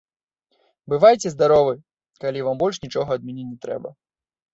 Бывайце здаровы, калі вам больш нічога ад мяне не трэба.